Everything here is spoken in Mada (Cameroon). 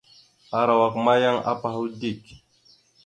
Arawak ma yan apahwa dik.